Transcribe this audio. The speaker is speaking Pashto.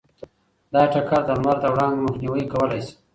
دا ټکر د لمر د وړانګو مخنیوی کولی شي.